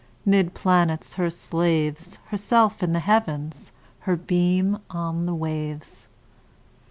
'Mid planets her slaves, Herself in the Heavens, Her beam on the waves.